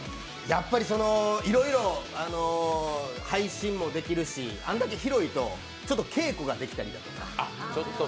やっぱり、いろいろ配信もできるしあんだけ広いと稽古ができたりだとか。